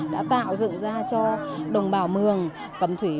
đã tạo dựng ra cho đồng bào mường cẩm thủy